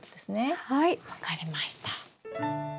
はい分かりました。